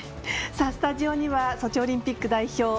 スタジオにはソチオリンピック代表